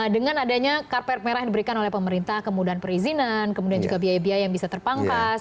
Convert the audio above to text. dengan adanya karpet merah yang diberikan oleh pemerintah kemudahan perizinan kemudian juga biaya biaya yang bisa terpangkas